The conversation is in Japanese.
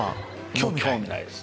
興味ないです。